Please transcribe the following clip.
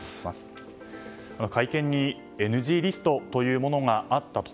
会見にＮＧリストというものがあったと。